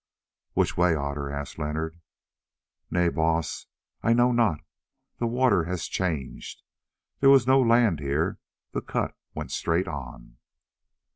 "Which way, Otter?" asked Leonard. "Nay, Baas, I know not. The water has changed; there was no land here, the cut went straight on."